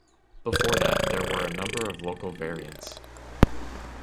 Before that, there were a number of local variants.